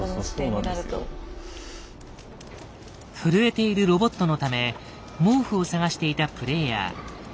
震えているロボットのため毛布を探していたプレイヤー。